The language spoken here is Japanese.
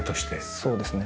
そうですね。